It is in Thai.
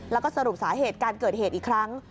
แล้วก็สรุปสาเหตุการเกิดเหตุอีกครั้ง